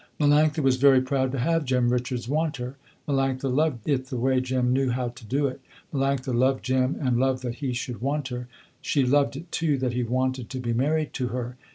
Melanctha was very proud to have Jem Richards want her. Melanctha loved it the way Jem knew how to do it. Melanctha loved Jem and loved that he should want her. She loved it too, that he wanted to be married to her.